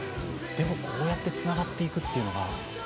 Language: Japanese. でも、こうやってつながっていくというのが。